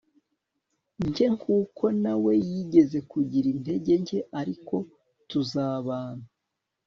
nke nk uko na we yigeze kugira intege nke ariko tuzabana